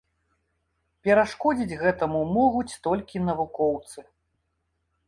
Перашкодзіць гэтаму могуць толькі навукоўцы.